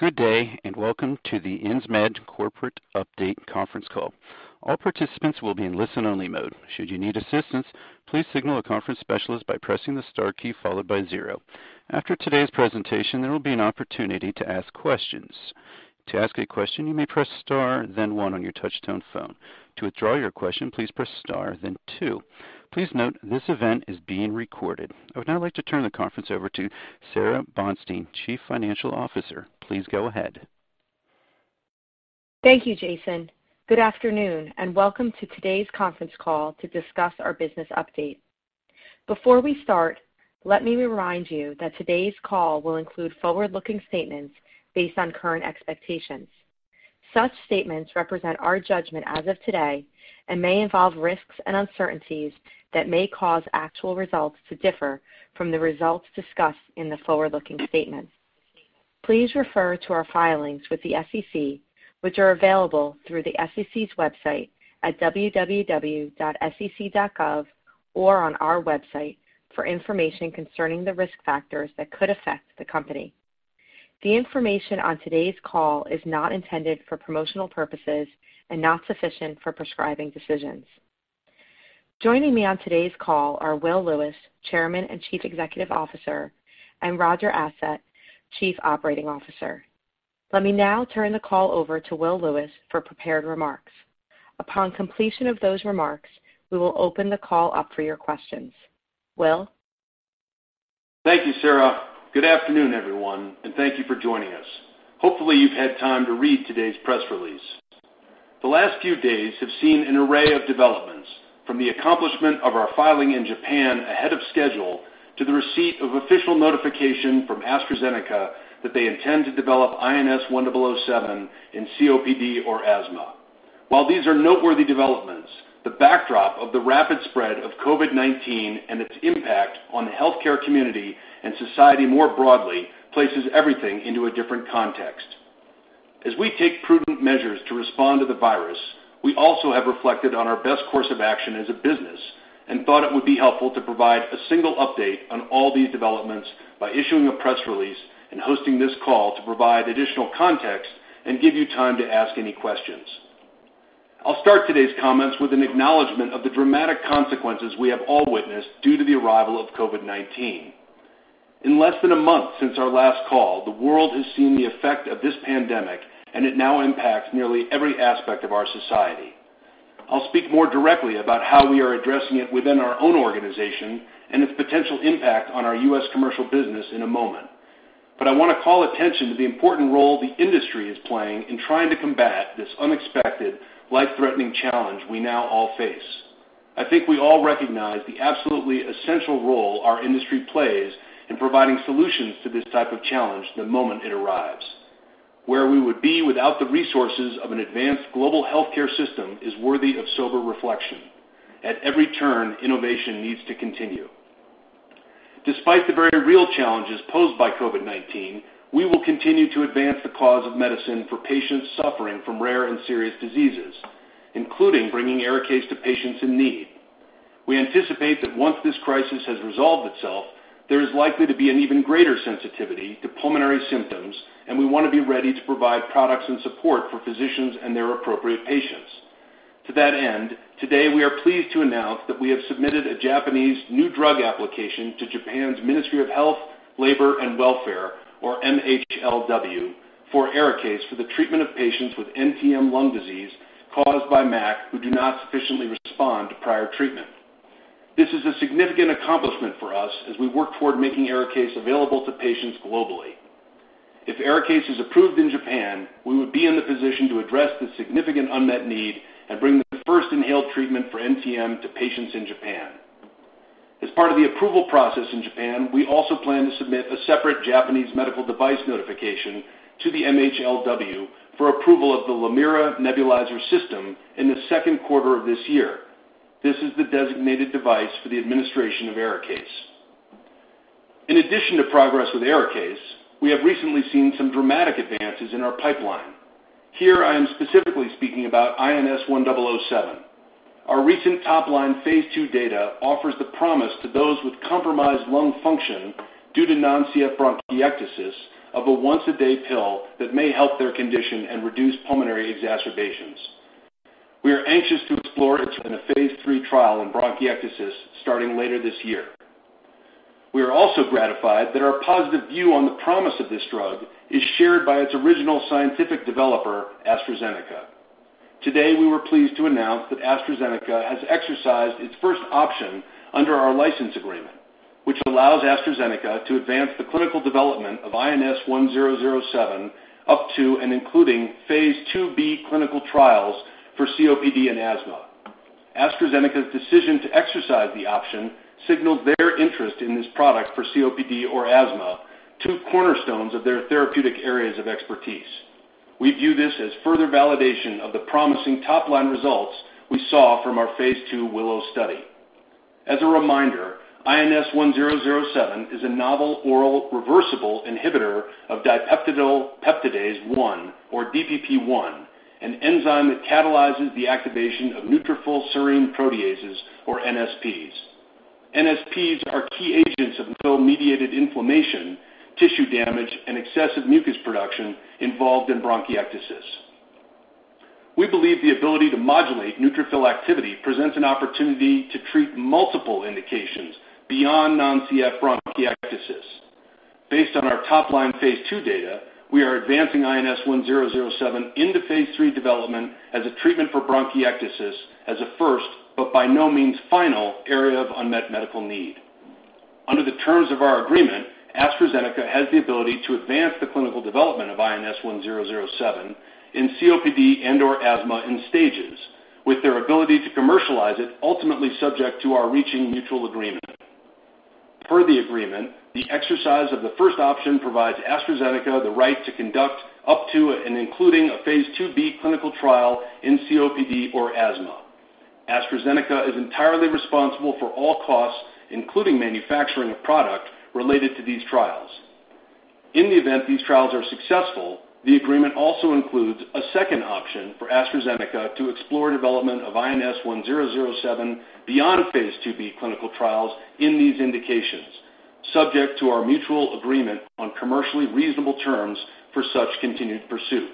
Good day. Welcome to the Insmed Corporate Update Conference Call. All participants will be in listen-only mode. Should you need assistance, please signal a conference specialist by pressing the star key followed by zero. After today's presentation, there will be an opportunity to ask questions. To ask a question, you may press star then one on your touchtone phone. To withdraw your question, please press star then two. Please note, this event is being recorded. I would now like to turn the conference over to Sara Bonstein, Chief Financial Officer. Please go ahead. Thank you, Jason. Good afternoon, and welcome to today's conference call to discuss our business update. Before we start, let me remind you that today's call will include forward-looking statements based on current expectations. Such statements represent our judgment as of today and may involve risks and uncertainties that may cause actual results to differ from the results discussed in the forward-looking statements. Please refer to our filings with the SEC, which are available through the SEC's website at www.sec.gov or on our website for information concerning the risk factors that could affect the company. The information on today's call is not intended for promotional purposes and not sufficient for prescribing decisions. Joining me on today's call are Will Lewis, Chairman and Chief Executive Officer, and Roger Adsett, Chief Operating Officer. Let me now turn the call over to Will Lewis for prepared remarks. Upon completion of those remarks, we will open the call up for your questions. Will? Thank you, Sara. Good afternoon, everyone, thank you for joining us. Hopefully, you've had time to read today's press release. The last few days have seen an array of developments, from the accomplishment of our filing in Japan ahead of schedule to the receipt of official notification from AstraZeneca that they intend to develop INS1007 in COPD or asthma. While these are noteworthy developments, the backdrop of the rapid spread of COVID-19 and its impact on the healthcare community and society more broadly places everything into a different context. As we take prudent measures to respond to the virus, we also have reflected on our best course of action as a business and thought it would be helpful to provide a single update on all these developments by issuing a press release and hosting this call to provide additional context and give you time to ask any questions. I'll start today's comments with an acknowledgment of the dramatic consequences we have all witnessed due to the arrival of COVID-19. In less than a month since our last call, the world has seen the effect of this pandemic. It now impacts nearly every aspect of our society. I'll speak more directly about how we are addressing it within our own organization and its potential impact on our U.S. commercial business in a moment. I want to call attention to the important role the industry is playing in trying to combat this unexpected, life-threatening challenge we now all face. I think we all recognize the absolutely essential role our industry plays in providing solutions to this type of challenge the moment it arrives. Where we would be without the resources of an advanced global healthcare system is worthy of sober reflection. At every turn, innovation needs to continue. Despite the very real challenges posed by COVID-19, we will continue to advance the cause of medicine for patients suffering from rare and serious diseases, including bringing ARIKAYCE to patients in need. We anticipate that once this crisis has resolved itself, there is likely to be an even greater sensitivity to pulmonary symptoms, and we want to be ready to provide products and support for physicians and their appropriate patients. To that end, today we are pleased to announce that we have submitted a Japanese new drug application to Japan's Ministry of Health, Labour and Welfare, or MHLW, for ARIKAYCE for the treatment of patients with NTM lung disease caused by MAC who do not sufficiently respond to prior treatment. This is a significant accomplishment for us as we work toward making ARIKAYCE available to patients globally. If ARIKAYCE is approved in Japan, we would be in the position to address the significant unmet need and bring the first inhaled treatment for NTM to patients in Japan. As part of the approval process in Japan, we also plan to submit a separate Japanese medical device notification to the MHLW for approval of the Lamira nebulizer system in the second quarter of this year. This is the designated device for the administration of ARIKAYCE. In addition to progress with ARIKAYCE, we have recently seen some dramatic advances in our pipeline. Here I am specifically speaking about INS1007. Our recent top-line phase II data offers the promise to those with compromised lung function due to non-CF bronchiectasis of a once-a-day pill that may help their condition and reduce pulmonary exacerbations. We are anxious to explore it in a phase III trial in bronchiectasis starting later this year. We are also gratified that our positive view on the promise of this drug is shared by its original scientific developer, AstraZeneca. Today, we were pleased to announce that AstraZeneca has exercised its first option under our license agreement, which allows AstraZeneca to advance the clinical development of INS1007 up to and including phase II-B clinical trials for COPD and asthma. AstraZeneca's decision to exercise the option signals their interest in this product for COPD or asthma, two cornerstones of their therapeutic areas of expertise. We view this as further validation of the promising top-line results we saw from our phase II WILLOW study. As a reminder, INS1007 is a novel oral reversible inhibitor of dipeptidyl peptidase 1 or DPP1, an enzyme that catalyzes the activation of neutrophil serine proteases or NSPs. NSPs are key agents of neutrophil-mediated inflammation, tissue damage, and excessive mucus production involved in bronchiectasis. We believe the ability to modulate neutrophil activity presents an opportunity to treat multiple indications beyond non-CF bronchiectasis. Based on our top-line phase II data, we are advancing INS1007 into phase III development as a treatment for bronchiectasis as a first, but by no means final, area of unmet medical need. Under the terms of our agreement, AstraZeneca has the ability to advance the clinical development of INS1007 in COPD and/or asthma in stages, with their ability to commercialize it ultimately subject to our reaching mutual agreement. Per the agreement, the exercise of the first option provides AstraZeneca the right to conduct up to and including a phase II-B clinical trial in COPD or asthma. AstraZeneca is entirely responsible for all costs, including manufacturing of product related to these trials. In the event these trials are successful, the agreement also includes a second option for AstraZeneca to explore development of INS1007 beyond phase II-B clinical trials in these indications, subject to our mutual agreement on commercially reasonable terms for such continued pursuit.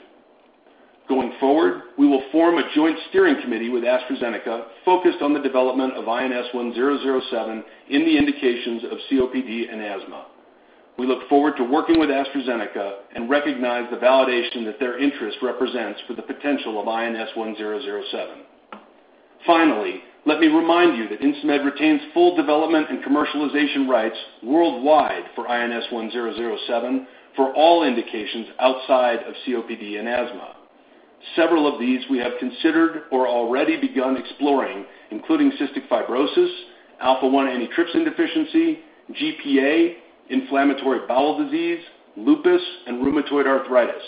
Going forward, we will form a joint steering committee with AstraZeneca focused on the development of INS1007 in the indications of COPD and asthma. We look forward to working with AstraZeneca and recognize the validation that their interest represents for the potential of INS1007. Finally, let me remind you that Insmed retains full development and commercialization rights worldwide for INS1007 for all indications outside of COPD and asthma. Several of these we have considered or already begun exploring, including cystic fibrosis, alpha-1 antitrypsin deficiency, GPA, inflammatory bowel disease, lupus, and rheumatoid arthritis.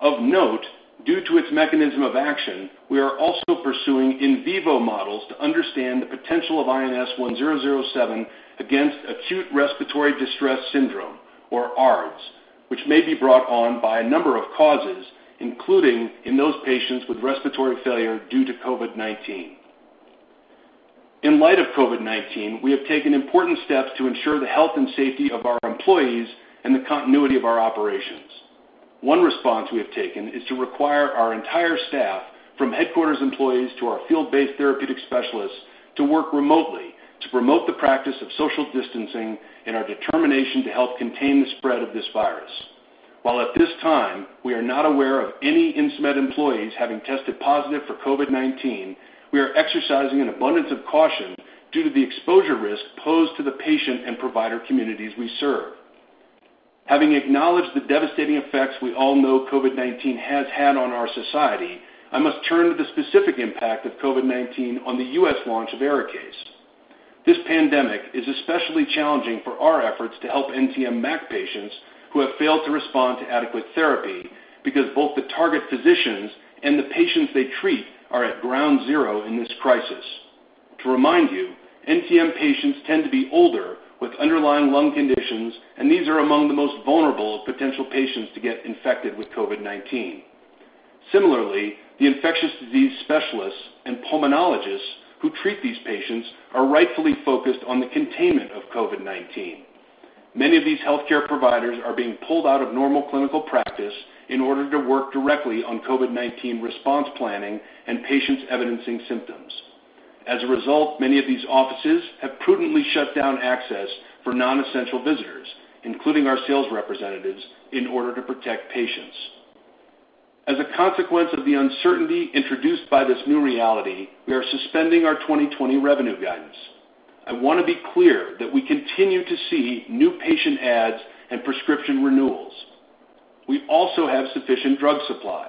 Of note, due to its mechanism of action, we are also pursuing in vivo models to understand the potential of INS1007 against acute respiratory distress syndrome, or ARDS, which may be brought on by a number of causes, including in those patients with respiratory failure due to COVID-19. In light of COVID-19, we have taken important steps to ensure the health and safety of our employees and the continuity of our operations. One response we have taken is to require our entire staff, from headquarters employees to our field-based therapeutic specialists, to work remotely to promote the practice of social distancing and our determination to help contain the spread of this virus. While at this time, we are not aware of any Insmed employees having tested positive for COVID-19, we are exercising an abundance of caution due to the exposure risk posed to the patient and provider communities we serve. Having acknowledged the devastating effects we all know COVID-19 has had on our society, I must turn to the specific impact of COVID-19 on the U.S. launch of ARIKAYCE. This pandemic is especially challenging for our efforts to help NTM MAC patients who have failed to respond to adequate therapy, because both the target physicians and the patients they treat are at ground zero in this crisis. To remind you, NTM patients tend to be older with underlying lung conditions, and these are among the most vulnerable of potential patients to get infected with COVID-19. Similarly, the infectious disease specialists and pulmonologists who treat these patients are rightfully focused on the containment of COVID-19. Many of these healthcare providers are being pulled out of normal clinical practice in order to work directly on COVID-19 response planning and patients evidencing symptoms. As a result, many of these offices have prudently shut down access for non-essential visitors, including our sales representatives, in order to protect patients. As a consequence of the uncertainty introduced by this new reality, we are suspending our 2020 revenue guidance. I want to be clear that we continue to see new patient adds and prescription renewals. We also have sufficient drug supply.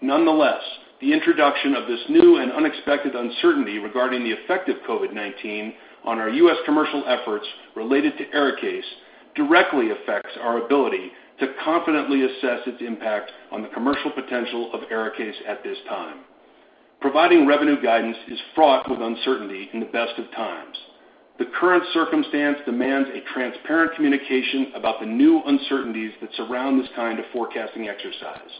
Nonetheless, the introduction of this new and unexpected uncertainty regarding the effect of COVID-19 on our U.S. commercial efforts related to ARIKAYCE directly affects our ability to confidently assess its impact on the commercial potential of ARIKAYCE at this time. Providing revenue guidance is fraught with uncertainty in the best of times. The current circumstance demands a transparent communication about the new uncertainties that surround this kind of forecasting exercise.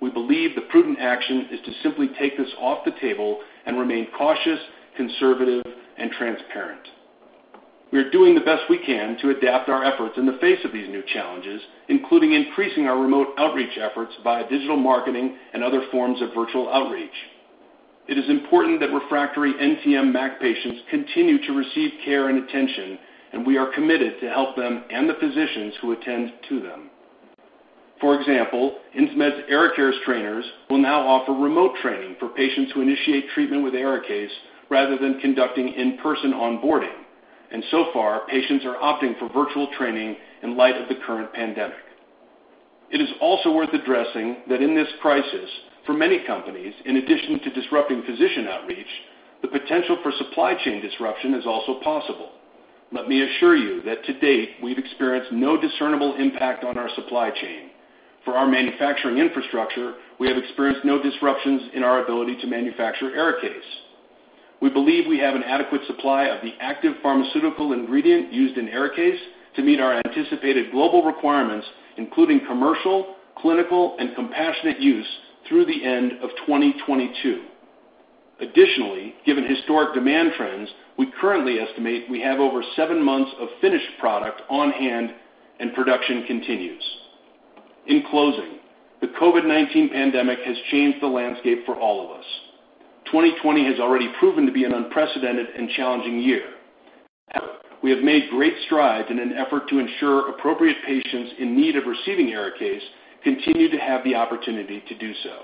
We believe the prudent action is to simply take this off the table and remain cautious, conservative, and transparent. We are doing the best we can to adapt our efforts in the face of these new challenges, including increasing our remote outreach efforts via digital marketing and other forms of virtual outreach. It is important that refractory NTM MAC patients continue to receive care and attention, and we are committed to help them and the physicians who attend to them. For example, Insmed's ARIKAYCE trainers will now offer remote training for patients who initiate treatment with ARIKAYCE rather than conducting in-person onboarding. So far, patients are opting for virtual training in light of the current pandemic. It is also worth addressing that in this crisis, for many companies, in addition to disrupting physician outreach, the potential for supply chain disruption is also possible. Let me assure you that to date, we've experienced no discernible impact on our supply chain. For our manufacturing infrastructure, we have experienced no disruptions in our ability to manufacture ARIKAYCE. We believe we have an adequate supply of the active pharmaceutical ingredient used in ARIKAYCE to meet our anticipated global requirements, including commercial, clinical, and compassionate use through the end of 2022. Additionally, given historic demand trends, we currently estimate we have over seven months of finished product on hand, and production continues. In closing, the COVID-19 pandemic has changed the landscape for all of us. 2020 has already proven to be an unprecedented and challenging year. However, we have made great strides in an effort to ensure appropriate patients in need of receiving ARIKAYCE continue to have the opportunity to do so.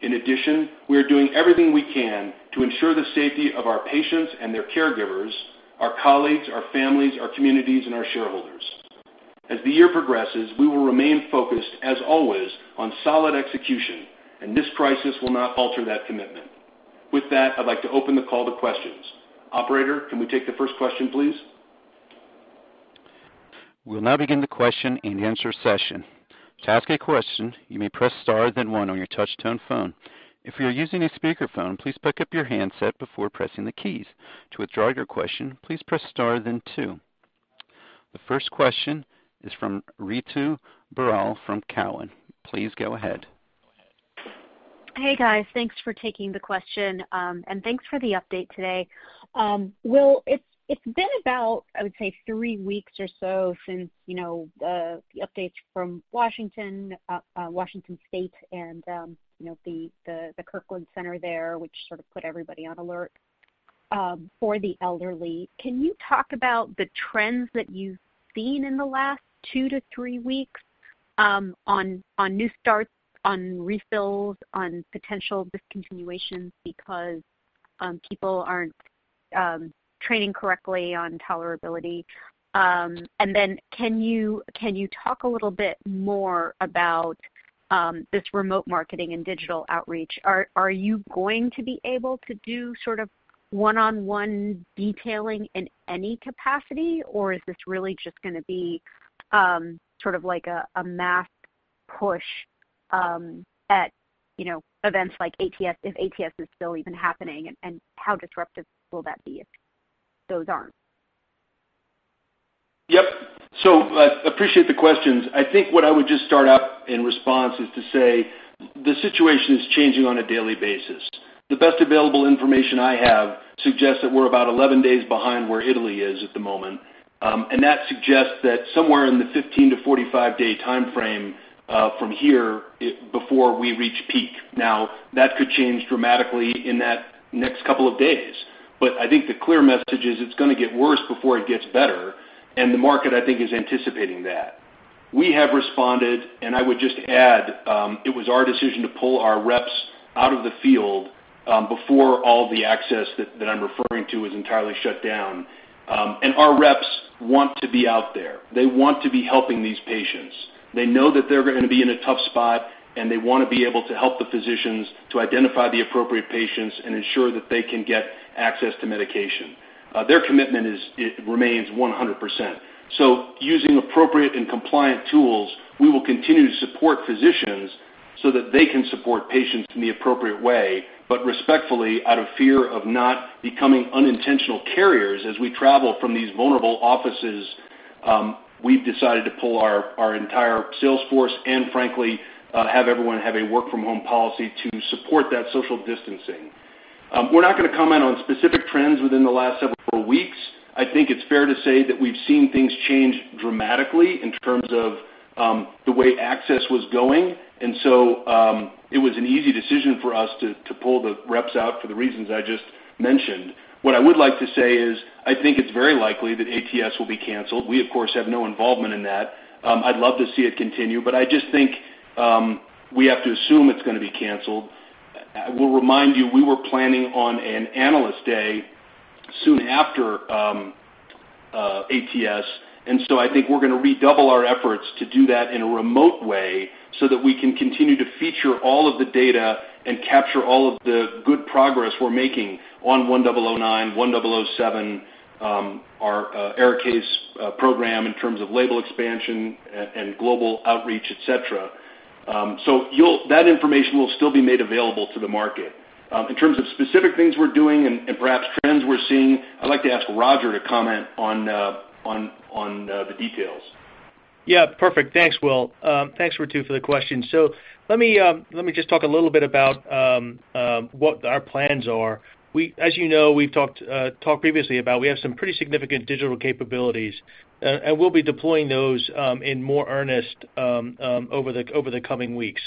In addition, we are doing everything we can to ensure the safety of our patients and their caregivers, our colleagues, our families, our communities, and our shareholders. As the year progresses, we will remain focused, as always, on solid execution. This crisis will not alter that commitment. With that, I'd like to open the call to questions. Operator, can we take the first question, please? We'll now begin the question and answer session. To ask a question, you may press star, then one on your touch tone phone. If you are using a speakerphone, please pick up your handset before pressing the keys. To withdraw your question, please press star, then two. The first question is from Ritu Baral from Cowen. Please go ahead. Hey, guys. Thanks for taking the question, and thanks for the update today. Will, it's been about, I would say, three weeks or so since the updates from Washington State and the Kirkland Center there, which sort of put everybody on alert for the elderly. Can you talk about the trends that you've seen in the last two to three weeks on new starts, on refills, on potential discontinuations because people aren't training correctly on tolerability? Then, can you talk a little bit more about this remote marketing and digital outreach? Are you going to be able to do sort of one-on-one detailing in any capacity, or is this really just going to be sort of like a mass push at events like ATS if ATS is still even happening? How disruptive will that be if those aren't? Yep. Appreciate the questions. I think what I would just start out in response is to say the situation is changing on a daily basis. The best available information I have suggests that we're about 11 days behind where Italy is at the moment. That suggests that somewhere in the 15 to 45-day timeframe from here before we reach peak. Now, that could change dramatically in that next couple of days. I think the clear message is it's going to get worse before it gets better, and the market, I think, is anticipating that. We have responded, and I would just add, it was our decision to pull our reps out of the field before all the access that I'm referring to was entirely shut down. Our reps want to be out there. They want to be helping these patients. They know that they're going to be in a tough spot, and they want to be able to help the physicians to identify the appropriate patients and ensure that they can get access to medication. Their commitment remains 100%. Using appropriate and compliant tools, we will continue to support physicians so that they can support patients in the appropriate way. Respectfully, out of fear of not becoming unintentional carriers as we travel from these vulnerable offices, we've decided to pull our entire sales force and frankly, have everyone have a work from home policy to support that social distancing. We're not going to comment on specific trends within the last several weeks. I think it's fair to say that we've seen things change dramatically in terms of the way access was going. It was an easy decision for us to pull the reps out for the reasons I just mentioned. What I would like to say is, I think it's very likely that ATS will be canceled. We, of course, have no involvement in that. I'd love to see it continue. I just think we have to assume it's going to be canceled. I will remind you, we were planning on an analyst day soon after ATS, and so I think we're going to redouble our efforts to do that in a remote way so that we can continue to feature all of the data and capture all of the good progress we're making on INS1009, 1007, our ARIKAYCE program in terms of label expansion and global outreach, et cetera. That information will still be made available to the market. In terms of specific things we're doing and perhaps trends we're seeing, I'd like to ask Roger to comment on the details. Yeah, perfect. Thanks, Will. Thanks, Ritu, for the question. Let me just talk a little bit about what our plans are. As you know, we've talked previously about we have some pretty significant digital capabilities. We'll be deploying those in more earnest over the coming weeks.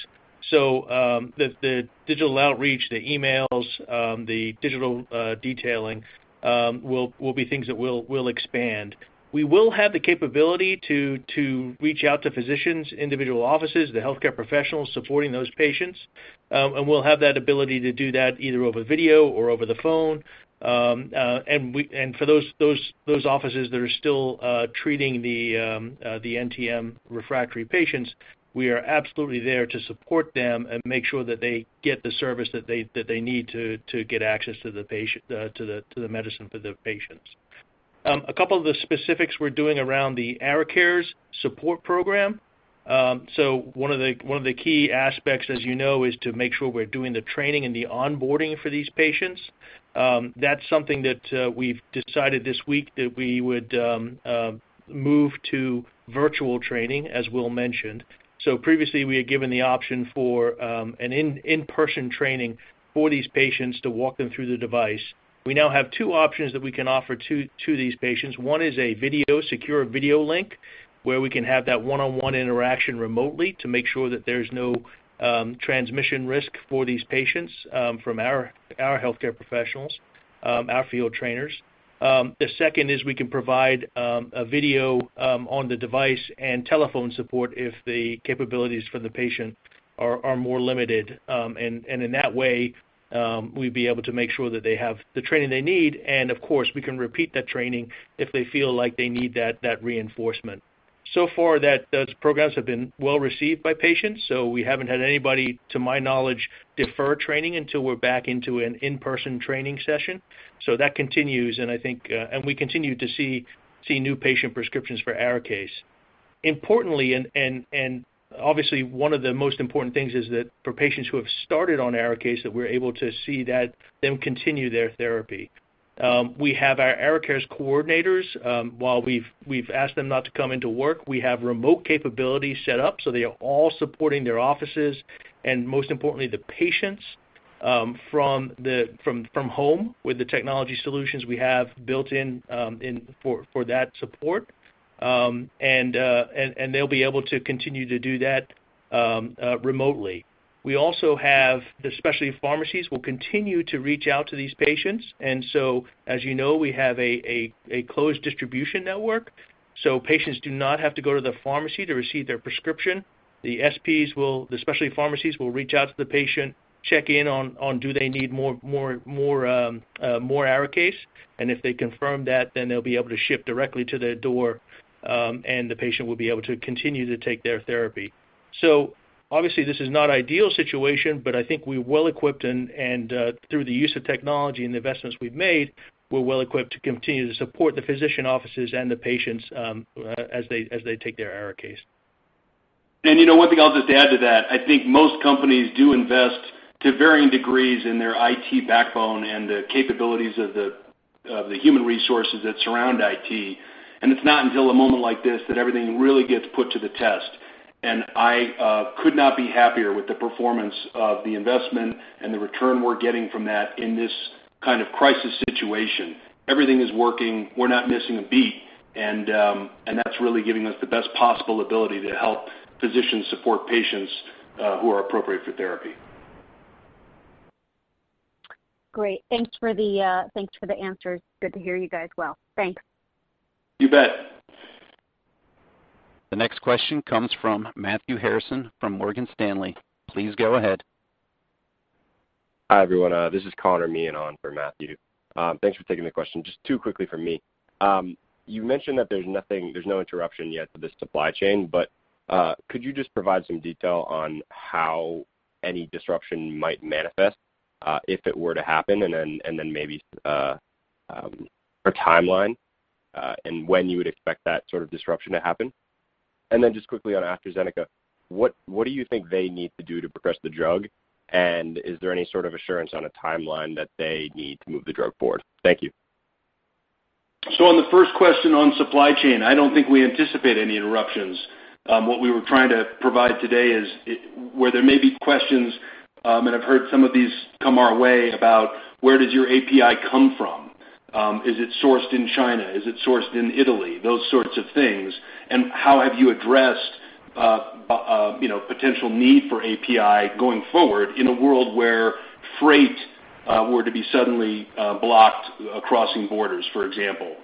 The digital outreach, the emails, the digital detailing, will be things that we'll expand. We will have the capability to reach out to physicians, individual offices, the healthcare professionals supporting those patients. We'll have that ability to do that either over video or over the phone. For those offices that are still treating the NTM refractory patients, we are absolutely there to support them and make sure that they get the service that they need to get access to the medicine for the patients. A couple of the specifics we're doing around the Arikares support program. One of the key aspects, as you know, is to make sure we're doing the training and the onboarding for these patients. That's something that we've decided this week that we would move to virtual training, as Will mentioned. Previously, we had given the option for an in-person training for these patients to walk them through the device. We now have two options that we can offer to these patients. One is a secure video link where we can have that one-on-one interaction remotely to make sure that there's no transmission risk for these patients from our healthcare professionals, our field trainers. The second is we can provide a video on the device and telephone support if the capabilities for the patient are more limited. In that way, we'd be able to make sure that they have the training they need, and of course, we can repeat that training if they feel like they need that reinforcement. So far, those programs have been well-received by patients. We haven't had anybody, to my knowledge, defer training until we're back into an in-person training session. That continues, and we continue to see new patient prescriptions for ARIKAYCE. Importantly, obviously one of the most important things is that for patients who have started on ARIKAYCE, that we're able to see them continue their therapy. We have our ARIKAYCE coordinators. While we've asked them not to come into work, we have remote capabilities set up, so they are all supporting their offices, and most importantly, the patients from home with the technology solutions we have built in for that support. They'll be able to continue to do that remotely. We also have the specialty pharmacies will continue to reach out to these patients. As you know, we have a closed distribution network, so patients do not have to go to the pharmacy to receive their prescription. The SPs, the specialty pharmacies, will reach out to the patient, check in on do they need more ARIKAYCE, and if they confirm that, then they'll be able to ship directly to their door. The patient will be able to continue to take their therapy. Obviously, this is not ideal situation, but I think we're well-equipped and through the use of technology and the investments we've made, we're well-equipped to continue to support the physician offices and the patients as they take their ARIKAYCE. One thing I'll just add to that, I think most companies do invest to varying degrees in their IT backbone and the capabilities of the human resources that surround IT. It's not until a moment like this that everything really gets put to the test. I could not be happier with the performance of the investment and the return we're getting from that in this kind of crisis situation. Everything is working. We're not missing a beat. That's really giving us the best possible ability to help physicians support patients who are appropriate for therapy. Great. Thanks for the answers. Good to hear you guys well. Thanks. You bet. The next question comes from Matthew Harrison from Morgan Stanley. Please go ahead. Hi, everyone. This is Connor Orr on for Matthew Harrison. Thanks for taking the question. Just two quickly from me. You mentioned that there's no interruption yet to the supply chain, but could you just provide some detail on how any disruption might manifest, if it were to happen, and then maybe a timeline, and when you would expect that sort of disruption to happen? Just quickly on AstraZeneca, what do you think they need to do to progress the drug? Is there any sort of assurance on a timeline that they need to move the drug forward? Thank you. On the first question on supply chain, I don't think we anticipate any interruptions. What we were trying to provide today is where there may be questions, and I've heard some of these come our way about where does your API come from? Is it sourced in China? Is it sourced in Italy? Those sorts of things. How have you addressed potential need for API going forward in a world where freight were to be suddenly blocked crossing borders, for example.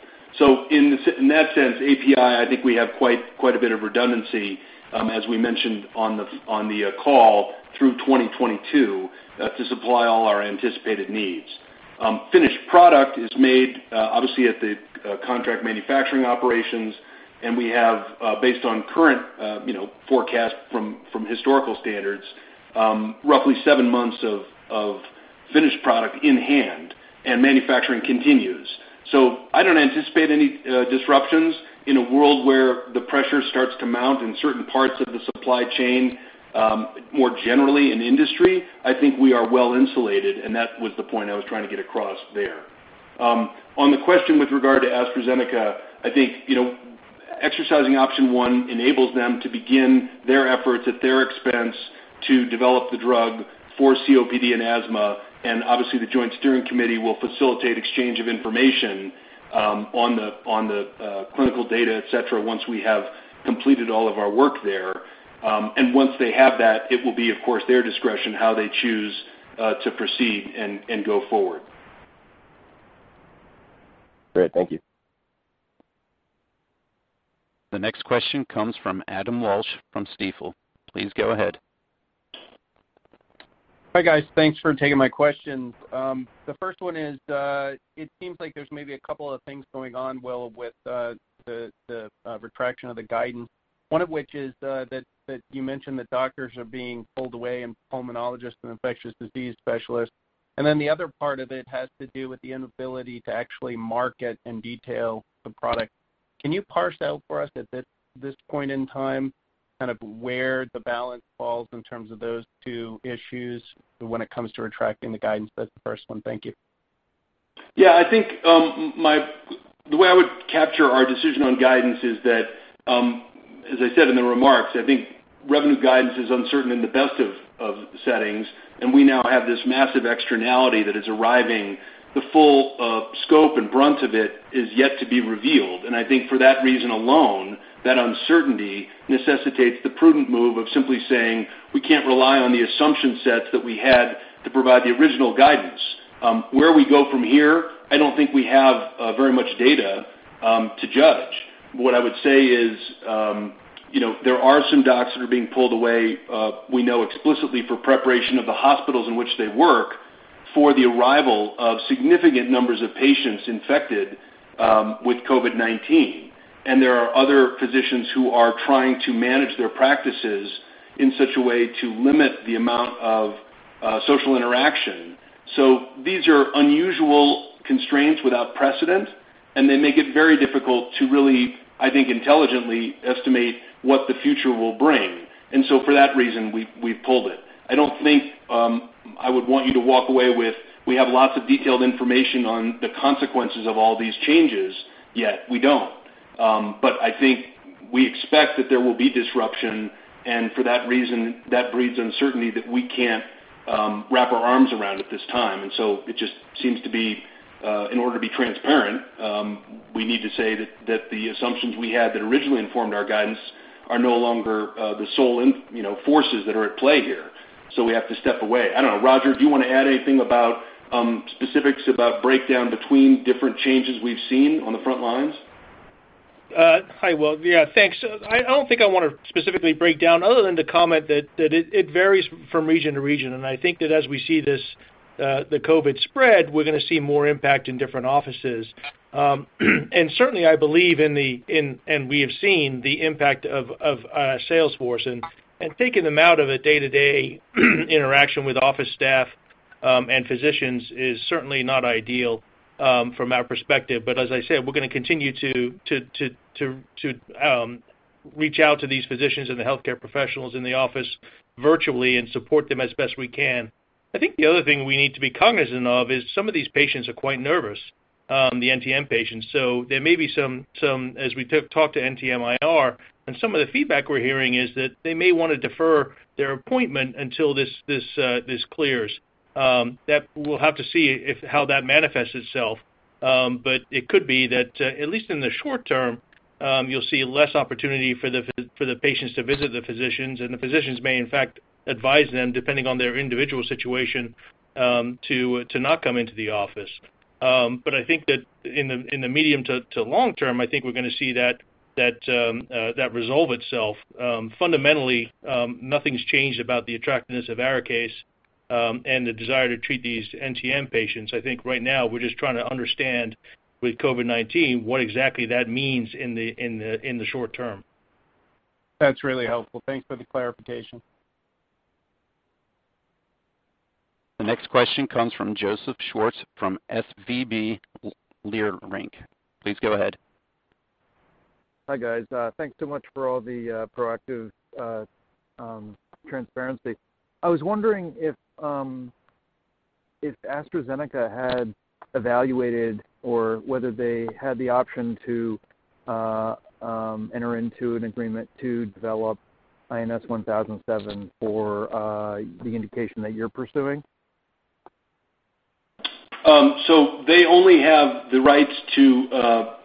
In that sense, API, I think we have quite a bit of redundancy, as we mentioned on the call, through 2022 to supply all our anticipated needs. Finished product is made, obviously, at the contract manufacturing operations, and we have, based on current forecast from historical standards, roughly seven months of finished product in hand, and manufacturing continues. I don't anticipate any disruptions in a world where the pressure starts to mount in certain parts of the supply chain. More generally in industry, I think we are well-insulated, and that was the point I was trying to get across there. On the question with regard to AstraZeneca, I think exercising option one enables them to begin their efforts at their expense to develop the drug for COPD and asthma. Obviously, the joint steering committee will facilitate exchange of information on the clinical data, et cetera, once we have completed all of our work there. Once they have that, it will be, of course, their discretion how they choose to proceed and go forward. Great. Thank you. The next question comes from Adam Walsh from Stifel. Please go ahead. Hi, guys. Thanks for taking my questions. The first one is, it seems like there's maybe a couple of things going on, Will, with the retraction of the guidance. One of which is that you mentioned that doctors are being pulled away, and pulmonologists and infectious disease specialists. The other part of it has to do with the inability to actually market and detail the product. Can you parse out for us at this point in time, where the balance falls in terms of those two issues when it comes to retracting the guidance? That's the first one. Thank you. Yeah. I think the way I would capture our decision on guidance is that, as I said in the remarks, I think revenue guidance is uncertain in the best of settings, and we now have this massive externality that is arriving. The full scope and brunt of it is yet to be revealed. I think for that reason alone, that uncertainty necessitates the prudent move of simply saying we can't rely on the assumption sets that we had to provide the original guidance. Where we go from here, I don't think we have very much data to judge. What I would say is there are some docs that are being pulled away, we know explicitly for preparation of the hospitals in which they work for the arrival of significant numbers of patients infected with COVID-19. There are other physicians who are trying to manage their practices in such a way to limit the amount of social interaction. These are unusual constraints without precedent, and they make it very difficult to really, I think, intelligently estimate what the future will bring. For that reason, we've pulled it. I don't think I would want you to walk away with, we have lots of detailed information on the consequences of all these changes yet. We don't. I think we expect that there will be disruption, and for that reason, that breeds uncertainty that we can't wrap our arms around at this time. It just seems to be, in order to be transparent, we need to say that the assumptions we had that originally informed our guidance are no longer the sole forces that are at play here, so we have to step away. I don't know, Roger, do you want to add anything about specifics about breakdown between different changes we've seen on the front lines? Hi, Will. Yeah, thanks. I don't think I want to specifically break down other than to comment that it varies from region to region. I think that as we see the COVID spread, we're going to see more impact in different offices. Certainly, I believe and we have seen the impact of our sales force and taking them out of the day-to-day interaction with office staff and physicians is certainly not ideal from our perspective. As I said, we're going to continue to reach out to these physicians and the healthcare professionals in the office virtually and support them as best we can. I think the other thing we need to be cognisant of is some of these patients are quite nervous, the NTM patients. There may be some, as we talk to NTM IR, and some of the feedback we're hearing is that they may want to defer their appointment until this clears. That we'll have to see how that manifests itself. It could be that, at least in the short term, you'll see less opportunity for the patients to visit the physicians, and the physicians may in fact advise them, depending on their individual situation, to not come into the office. I think that in the medium to long term, I think we're going to see that resolve itself. Fundamentally, nothing's changed about the attractiveness of ARIKAYCE, and the desire to treat these NTM patients. I think right now we're just trying to understand with COVID-19 what exactly that means in the short term. That's really helpful. Thanks for the clarification. The next question comes from Joseph Schwartz from SVB Leerink. Please go ahead. Hi, guys. Thanks so much for all the proactive transparency. I was wondering if AstraZeneca had evaluated or whether they had the option to enter into an agreement to develop INS1007 for the indication that you're pursuing. They only have the rights to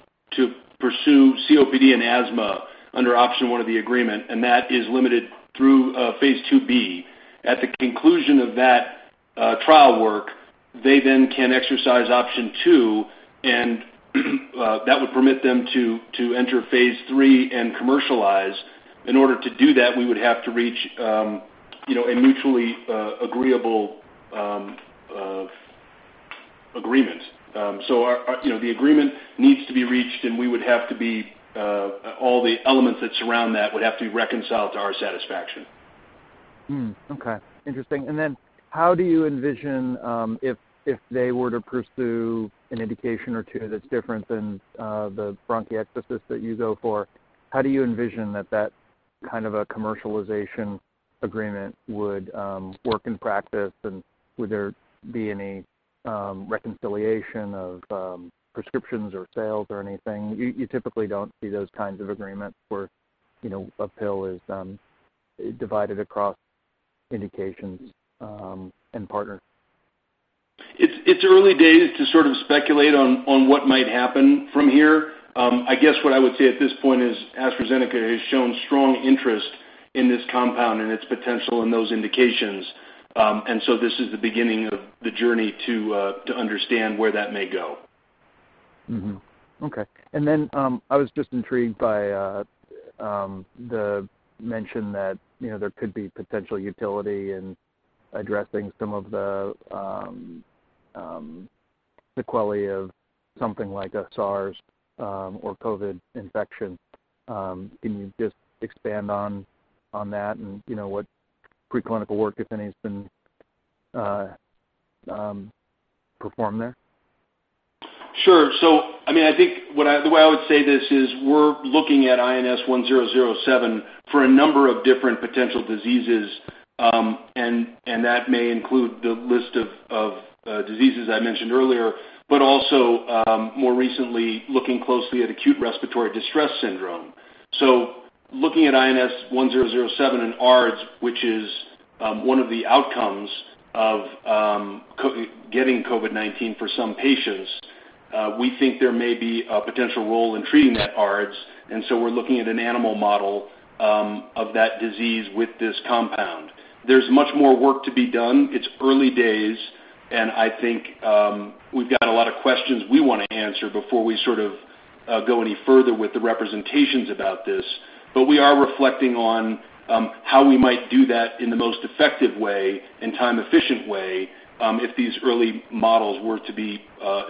pursue COPD and asthma under option one of the agreement, and that is limited through phase II-B. At the conclusion of that trial work, they then can exercise option two, and that would permit them to enter phase III and commercialize. In order to do that, we would have to reach a mutually agreeable agreement. The agreement needs to be reached, and all the elements that surround that would have to be reconciled to our satisfaction. Okay, Interesting. Then how do you envision if they were to pursue an indication or two that's different than the bronchiectasis that you go for, how do you envision that kind of a commercialization agreement would work in practice? Would there be any reconciliation of prescriptions or sales or anything? You typically don't see those kinds of agreements where a pill is divided across indications and partner. It's early days to sort of speculate on what might happen from here. I guess what I would say at this point is AstraZeneca has shown strong interest in this compound and its potential in those indications. This is the beginning of the journey to understand where that may go. Okay. Then, I was just intrigued by the mention that there could be potential utility in addressing some of the quality of something like a SARS or COVID infection. Can you just expand on that and what preclinical work, if any, has been perform there? Sure. I think the way I would say this is we're looking at INS1007 for a number of different potential diseases, and that may include the list of diseases I mentioned earlier, but also, more recently, looking closely at acute respiratory distress syndrome. Looking at INS1007 and ARDS, which is one of the outcomes of getting COVID-19 for some patients, we think there may be a potential role in treating that ARDS. We're looking at an animal model of that disease with this compound. There's much more work to be done. It's early days, and I think we've got a lot of questions we want to answer before we go any further with the representations about this. We are reflecting on how we might do that in the most effective way and time-efficient way if these early models were to be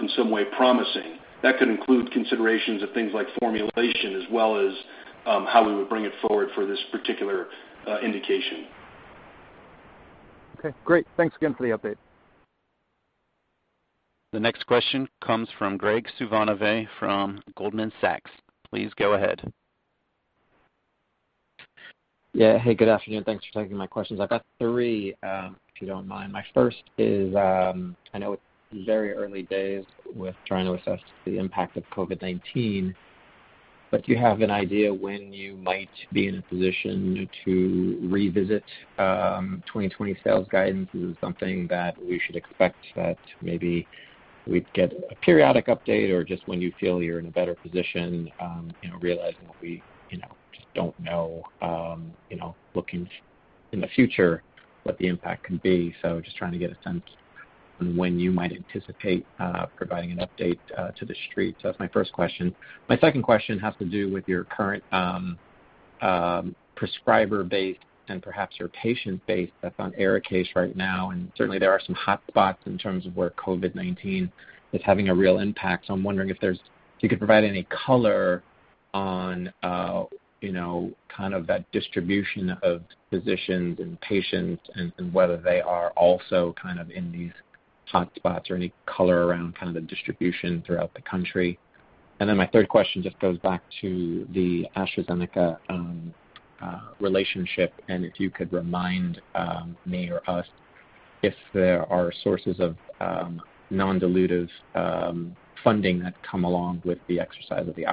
in some way promising. That could include considerations of things like formulation, as well as how we would bring it forward for this particular indication. Okay, great. Thanks again for the update. The next question comes from Graig Suvannavejh from Goldman Sachs. Please go ahead. Yeah. Hey, good afternoon. Thanks for taking my questions. I've got three, if you don't mind. My first is, I know it's very early days with trying to assess the impact of COVID-19, do you have an idea when you might be in a position to revisit 2020 sales guidance? Is it something that we should expect that maybe we'd get a periodic update or just when you feel you're in a better position, realizing that we just don't know looking in the future what the impact can be? Just trying to get a sense on when you might anticipate providing an update to the street. That's my first question. My second question has to do with your current prescriber base and perhaps your patient base that's on ARIKAYCE right now. Certainly, there are some hotspots in terms of where COVID-19 is having a real impact. I'm wondering if you could provide any color on that distribution of physicians and patients and whether they are also in these hotspots or any color around distribution throughout the country. My third question just goes back to the AstraZeneca relationship and if you could remind me or us if there are sources of non-dilutive funding that come along with the exercise of the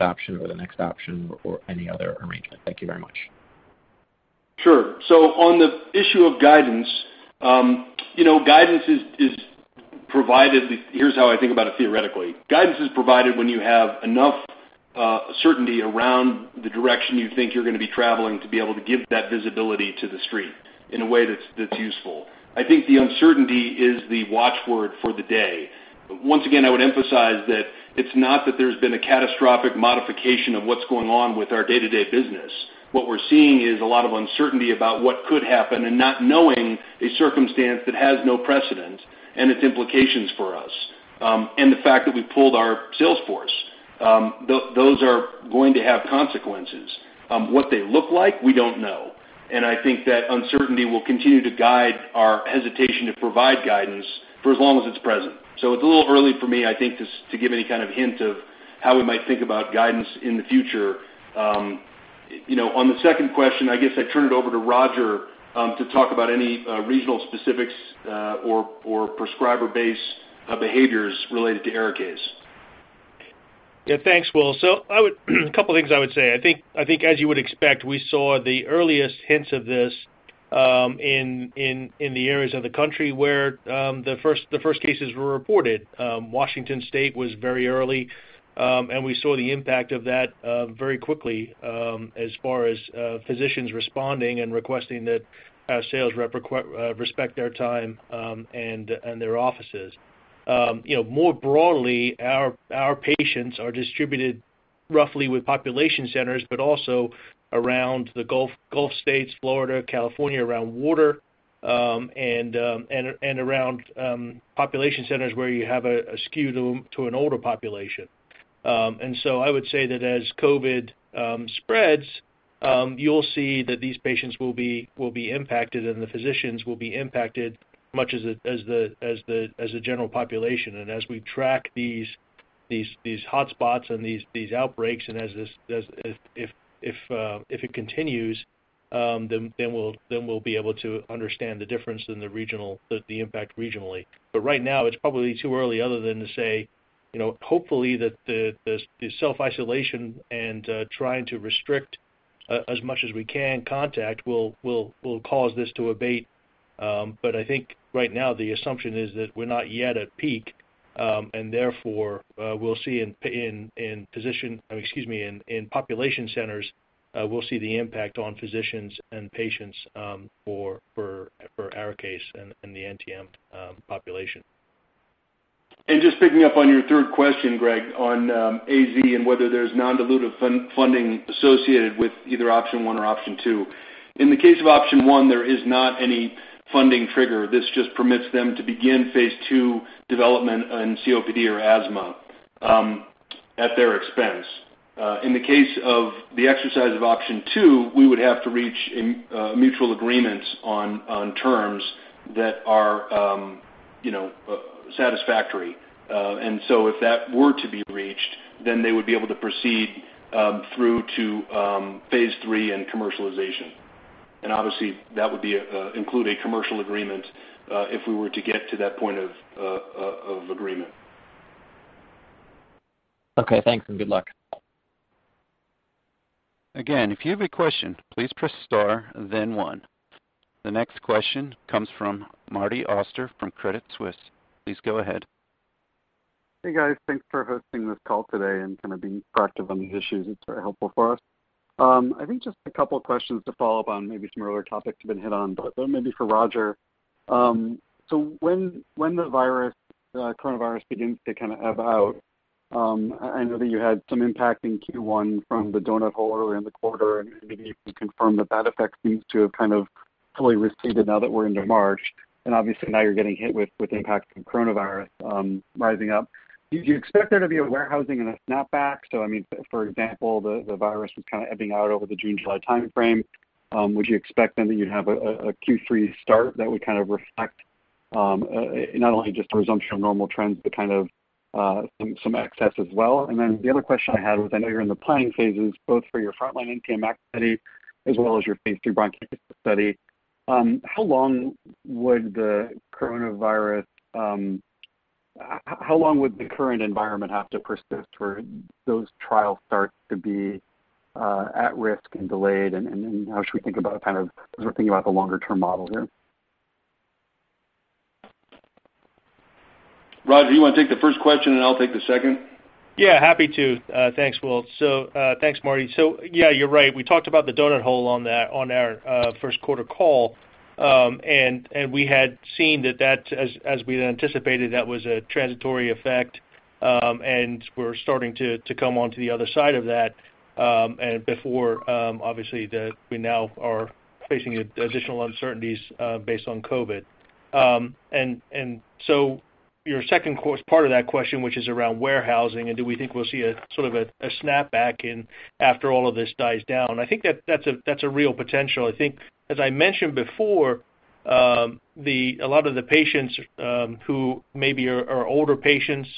option, whether this option or the next option or any other arrangement. Thank you very much. Sure. On the issue of guidance, here's how I think about it theoretically. Guidance is provided when you have enough certainty around the direction you think you're going to be traveling to be able to give that visibility to the Street in a way that's useful. I think the uncertainty is the watchword for the day. Once again, I would emphasize that it's not that there's been a catastrophic modification of what's going on with our day-to-day business. What we're seeing is a lot of uncertainty about what could happen and not knowing a circumstance that has no precedent and its implications for us, and the fact that we pulled our sales force. Those are going to have consequences. What they look like, we don't know. I think that uncertainty will continue to guide our hesitation to provide guidance for as long as it's present. It's a little early for me, I think, to give any kind of hint of how we might think about guidance in the future. On the second question, I guess I'd turn it over to Roger to talk about any regional specifics or prescriber base behaviors related to ARIKAYCE. Yeah. Thanks, Will. A couple things I would say. I think as you would expect, we saw the earliest hints of this in the areas of the country where the first cases were reported. Washington State was very early, and we saw the impact of that very quickly as far as physicians responding and requesting that a sales rep respect their time and their offices. More broadly, our patients are distributed roughly with population centers, but also around the Gulf States, Florida, California, around water, and around population centers where you have a skew to an older population. I would say that as COVID spreads, you'll see that these patients will be impacted and the physicians will be impacted much as the general population. As we track these hotspots and these outbreaks and if it continues, then we'll be able to understand the impact regionally. Right now it's probably too early other than to say hopefully that the self-isolation and trying to restrict as much as we can contact will cause this to abate. I think right now the assumption is that we're not yet at peak, and therefore in population centers, we'll see the impact on physicians and patients for ARIKAYCE and the NTM population. Just picking up on your third question, Graig, on AZ and whether there's non-dilutive funding associated with either option one or option two. In the case of option one, there is not any funding trigger. This just permits them to begin phase II development in COPD or asthma. At their expense. In the case of the exercise of option two, we would have to reach mutual agreements on terms that are satisfactory. If that were to be reached, then they would be able to proceed through to phase III and commercialization. Obviously, that would include a commercial agreement, if we were to get to that point of agreement. Okay, thanks, and good luck. Again, if you have a question, please press star and then one. The next question comes from Marty Auster from Credit Suisse. Please go ahead. Hey, guys. Thanks for hosting this call today and being proactive on these issues. It's very helpful for us. I think just a couple of questions to follow up on maybe some other topics have been hit on, but they may be for Roger. When the coronavirus begins to kind of ebb out, I know that you had some impact in Q1 from the doughnut hole around the quarter, and maybe you can confirm that effect seems to have kind of fully receded now that we're into March. Obviously, now you're getting hit with impact from coronavirus rising up. Do you expect there to be a warehousing and a snapback? I mean, for example, the virus was kind of ebbing out over the June, July timeframe, would you expect then that you'd have a Q3 start that would kind of reflect, not only just a resumption of normal trends, but kind of some excess as well? The other question I had was, I know you're in the planning phases, both for your frontline NTM-ACT study as well as your phase III bronchiectasis study. How long would the current environment have to persist for those trials start to be at risk and delayed? How should we think about kind of as we're thinking about the longer-term model here? Roger, you want to take the first question, and I'll take the second? Yeah, happy to. Thanks, Will. Thanks, Marty. Yeah, you're right. We talked about the doughnut hole on our first quarter call. We had seen that that, as we anticipated, that was a transitory effect. We're starting to come on to the other side of that. Before, obviously, we now are facing additional uncertainties based on COVID. Your second part of that question, which is around warehousing and do we think we'll see a sort of a snapback after all of this dies down, I think that's a real potential. I think, as I mentioned before, a lot of the patients who maybe are older patients,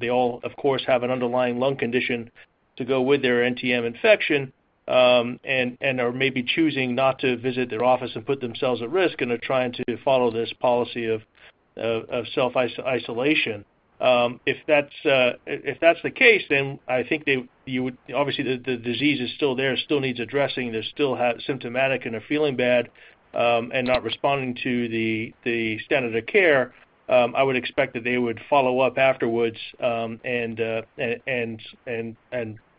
they all, of course, have an underlying lung condition to go with their NTM infection, and are maybe choosing not to visit their office and put themselves at risk and are trying to follow this policy of self-isolation. If that's the case, then I think obviously the disease is still there, still needs addressing. They're still symptomatic and are feeling bad, and not responding to the standard of care. I would expect that they would follow up afterwards, and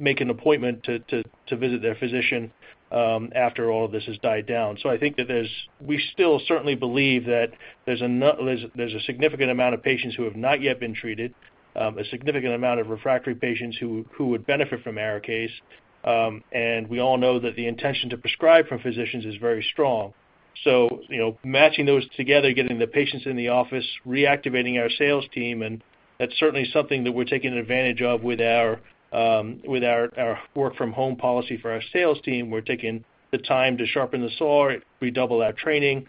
make an appointment to visit their physician after all of this has died down. I think that we still certainly believe that there's a significant amount of patients who have not yet been treated, a significant amount of refractory patients who would benefit from ARIKAYCE, and we all know that the intention to prescribe from physicians is very strong. Matching those together, getting the patients in the office, reactivating our sales team, and that's certainly something that we're taking advantage of with our work from home policy for our sales team. We're taking the time to sharpen the saw, redouble our training,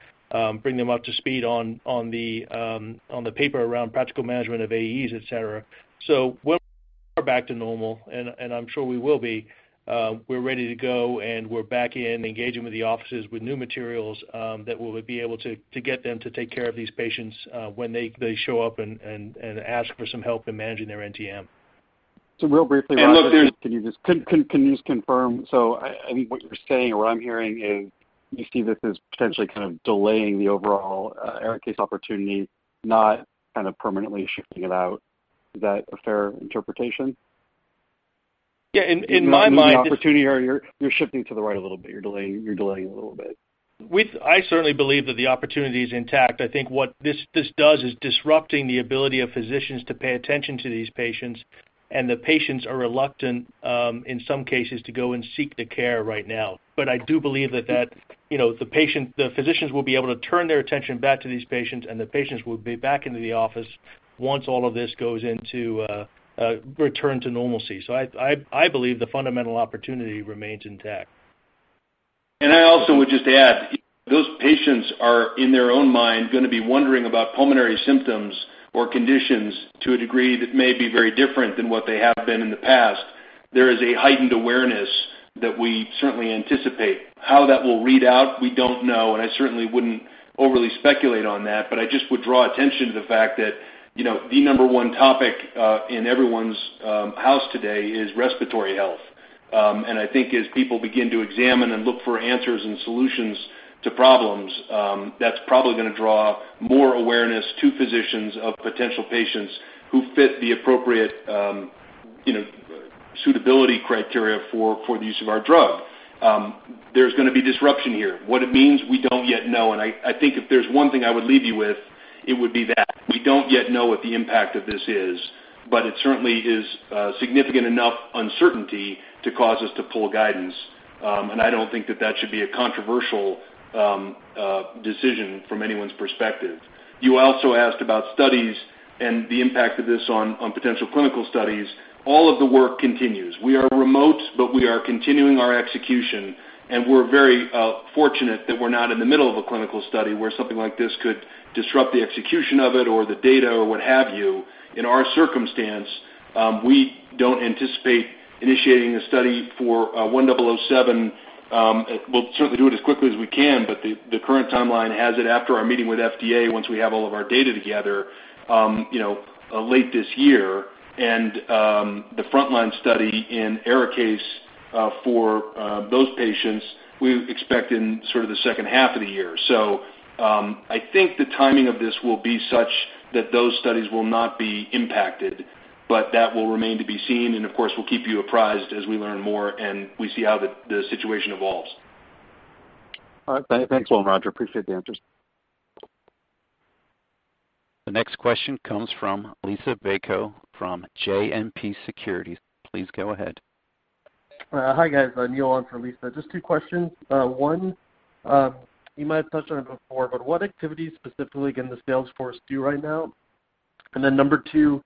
bring them up to speed on the paper around practical management of AEs, et cetera. When we are back to normal, and I'm sure we will be, we're ready to go, and we're back in engaging with the offices with new materials that we'll be able to get them to take care of these patients when they show up and ask for some help in managing their NTM. Real briefly, Roger, Can you just confirm, so I think what you're saying or what I'm hearing is you see this as potentially kind of delaying the overall ARIKAYCE opportunity, not kind of permanently shifting it out. Is that a fair interpretation? Yeah, in my mind.... You're not losing the opportunity or you're shifting to the right a little bit. You're delaying a little bit. I certainly believe that the opportunity is intact. I think what this does is disrupting the ability of physicians to pay attention to these patients, and the patients are reluctant, in some cases, to go and seek the care right now. I do believe that the physicians will be able to turn their attention back to these patients, and the patients will be back into the office once all of this goes into a return to normalcy. I believe the fundamental opportunity remains intact. I also would just add, those patients are, in their own mind, going to be wondering about pulmonary symptoms or conditions to a degree that may be very different than what they have been in the past. There is a heightened awareness that we certainly anticipate. How that will read out, we don't know, and I certainly wouldn't overly speculate on that, but I just would draw attention to the fact that the number one topic in everyone's house today is respiratory health. I think as people begin to examine and look for answers and solutions to problems, that's probably going to draw more awareness to physicians of potential patients who fit the appropriate suitability criteria for the use of our drug. There's going to be disruption here. What it means, we don't yet know. I think if there's one thing I would leave you with, it would be that. We don't yet know what the impact of this is, but it certainly is significant enough uncertainty to cause us to pull guidance, and I don't think that that should be a controversial decision from anyone's perspective. You also asked about studies. The impact of this on potential clinical studies, all of the work continues. We are remote, but we are continuing our execution, and we're very fortunate that we're not in the middle of a clinical study where something like this could disrupt the execution of it or the data or what have you. In our circumstance, we don't anticipate initiating the study for INS1007. We'll certainly do it as quickly as we can, but the current timeline has it after our meeting with FDA, once we have all of our data together late this year. The frontline study in ARIKAYCE for those patients, we expect in the second half of the year. I think the timing of this will be such that those studies will not be impacted, but that will remain to be seen and, of course, we'll keep you apprised as we learn more and we see how the situation evolves. All right. Thanks a lot, Roger. Appreciate the answers. The next question comes from Liisa Bayko from JMP Securities. Please go ahead. Hi, guys. Neil on for Liisa. Just two questions. One, you might have touched on it before, but what activities specifically can the sales force do right now? Number two,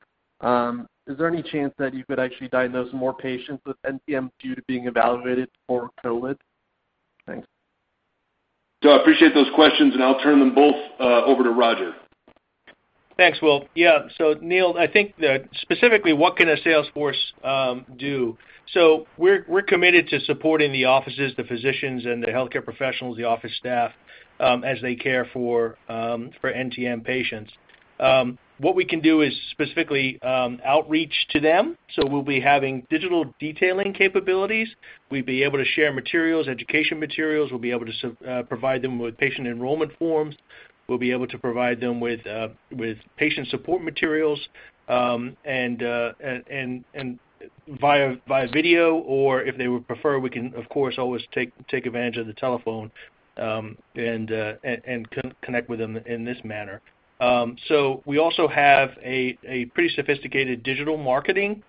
is there any chance that you could actually diagnose more patients with NTM due to being evaluated for COVID? Thanks. I appreciate those questions, and I'll turn them both over to Roger. Thanks, Will. Yeah. Neil, I think specifically, what can a sales force do? We're committed to supporting the offices, the physicians, and the healthcare professionals, the office staff, as they care for NTM patients. What we can do is specifically outreach to them. We'll be having digital detailing capabilities. We'll be able to share materials, education materials. We'll be able to provide them with patient enrollment forms. We'll be able to provide them with patient support materials via video, or if they would prefer, we can, of course, always take advantage of the telephone and connect with them in this manner. We also have a pretty sophisticated digital marketing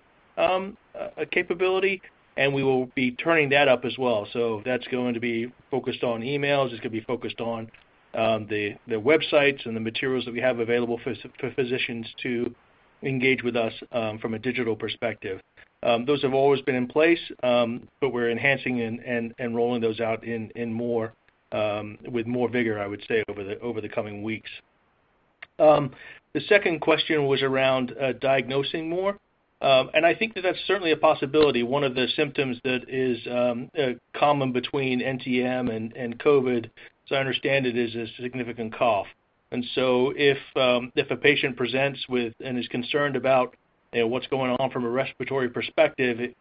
capability, and we will be turning that up as well. That's going to be focused on emails. It's going to be focused on the websites and the materials that we have available for physicians to engage with us from a digital perspective. Those have always been in place, but we're enhancing and rolling those out with more vigor, I would say, over the coming weeks. The second question was around diagnosing more. I think that that's certainly a possibility. One of the symptoms that is common between NTM and COVID, as I understand it, is a significant cough. If a patient presents with and is concerned about what's going on from a respiratory perspective,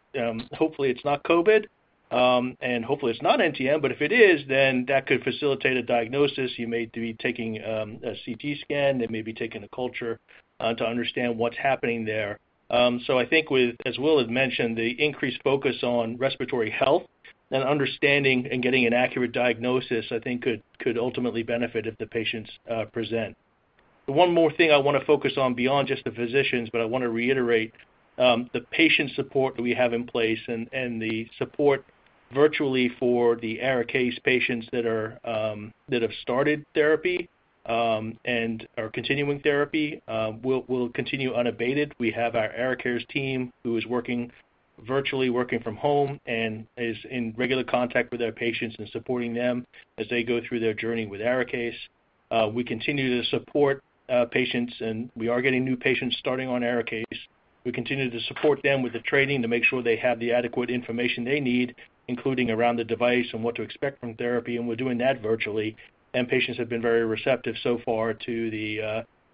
hopefully it's not COVID, and hopefully it's not NTM, but if it is, then that could facilitate a diagnosis. You may be taking a CT scan. They may be taking a culture to understand what's happening there. I think, as Will had mentioned, the increased focus on respiratory health and understanding and getting an accurate diagnosis, I think could ultimately benefit if the patients present. The one more thing I want to focus on beyond just the physicians, but I want to reiterate the patient support that we have in place and the support virtually for the ARIKAYCE patients that have started therapy and are continuing therapy will continue unabated. We have our Arikares team who is working virtually, working from home, and is in regular contact with our patients and supporting them as they go through their journey with ARIKAYCE. We continue to support patients, and we are getting new patients starting on ARIKAYCE. We continue to support them with the training to make sure they have the adequate information they need, including around the device and what to expect from therapy, and we're doing that virtually. Patients have been very receptive so far to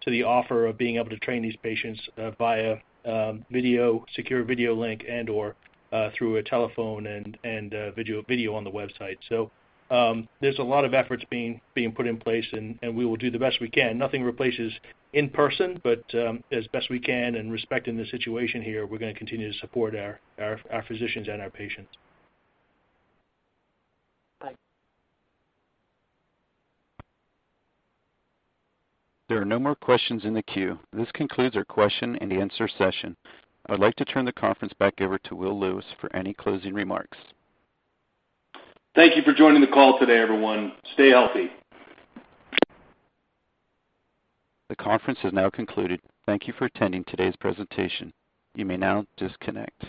the offer of being able to train these patients via secure video link and/or through a telephone and video on the website. There's a lot of efforts being put in place, and we will do the best we can. Nothing replaces in-person, but as best we can and respecting the situation here, we're going to continue to support our physicians and our patients. Bye. There are no more questions in the queue. This concludes our question and answer session. I'd like to turn the conference back over to Will Lewis for any closing remarks. Thank you for joining the call today, everyone. Stay healthy. The conference has now concluded. Thank you for attending today's presentation. You may now disconnect.